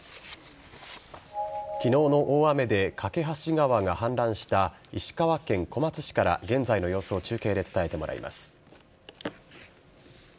昨日の大雨で梯川が氾濫した石川県小松市から現在の様子を中継で伝えてもらえます。